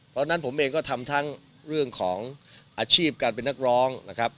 เพราะฉะนั้นผมเองก็ทำทั้งเรื่องของอาชีพการเป็นนักร้องนะครับ